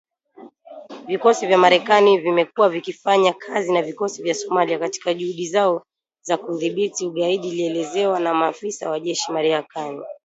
Vikosi vya Marekani vimekuwa vikifanya kazi na vikosi vya Somalia katika juhudi zao za kudhibiti ugaidi ilielezewa na maafisa wa jeshi la Marekani.